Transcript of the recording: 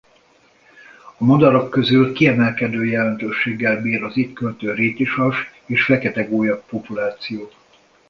A madarak közül kiemelkedő jelentőséggel bír az itt költő rétisas és fekete gólya populáció.